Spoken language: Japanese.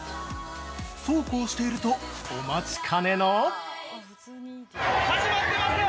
そうこうしているとお待ちかねの◆始まってますよ！